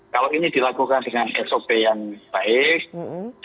kalau ini dilakukan dengan sop yang baik